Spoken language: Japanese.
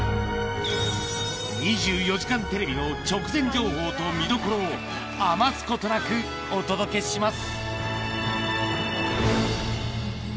２４時間テレビの直前情報と見どころを、あますことなくお届けします。